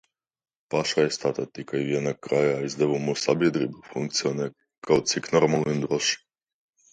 Pašreiz tātad tikai viena krājaizdevumu sabiedrība funkcionē kaut cik normāli un droši.